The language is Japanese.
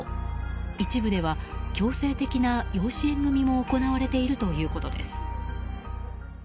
一部では強制的な養子縁組も行われているということです。